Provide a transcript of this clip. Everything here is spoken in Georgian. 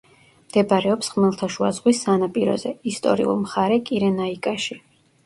მდებარეობს ხმელთაშუა ზღვის სანაპიროზე, ისტორიულ მხარე კირენაიკაში.